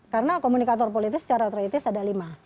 karena komunikator politik secara otoritis ada lima